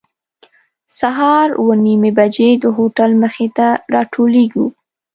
سهار اوه نیمې بجې د هوټل مخې ته راټولېږو.